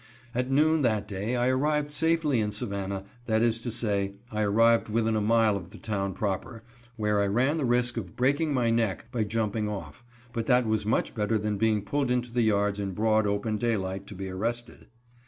At noon that day I arrived safely in Savannah, that is to say, I arrived within a mile of the town proper, where I ran the risk of breaking my neck by jumping off, but that was much better than being pulled into the yards in broad open daylight to be arrested.